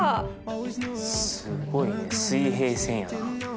すごいね水平線やな。